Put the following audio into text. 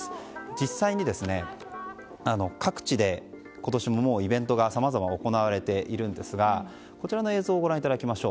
実際に各地で今年もイベントがさまざま行われているんですがこちらの映像をご覧ください。